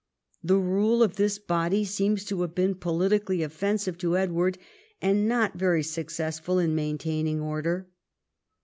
The rule of this body seems to have been politically offensive to Edward, and not very successful in maintaining order.